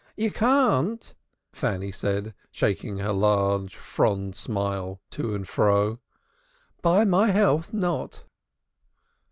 "You can't," Fanny said, shaking her large fond smile to and fro. "By my health, not."